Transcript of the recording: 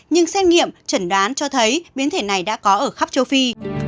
nhưng xét nghiệm chẩn đoán cho thấy biến thể này đã có ở khắp châu phi